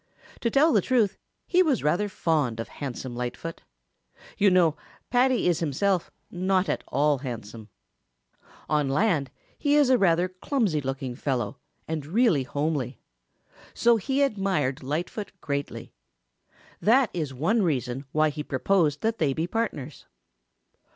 To tell the truth, he was rather fond of handsome Lightfoot. You know Paddy is himself not at all handsome. On land he is a rather clumsy looking fellow and really homely. So he admired Lightfoot greatly. That is one reason why he proposed that they be partners.